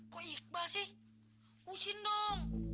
kok iqbal sih kucing dong